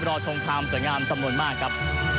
รอชมความสวยงามจำนวนมากครับ